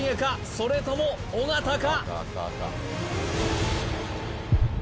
それとも尾形か？